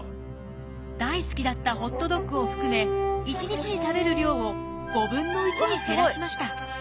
大好きだったホットドッグを含め１日に食べる量を５分の１に減らしました。